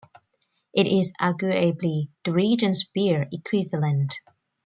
It is arguably the region's beer equivalent.